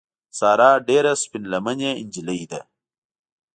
ساره ډېره سپین لمنې نجیلۍ ده.